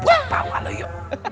buat pak walu yo